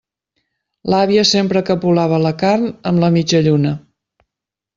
L'àvia sempre capolava la carn amb la mitjalluna.